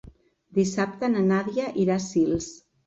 Dissabte na Nàdia irà a Sils.